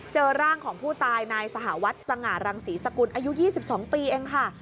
เจอร่างของผู้ตายนายสหวัดสง่ารังศรีสกุลอายุ๒๒ปีเองค่ะ